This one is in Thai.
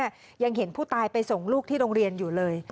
ยังเห็นผู้ตายไปส่งลูกที่โรงเรียนอยู่เลย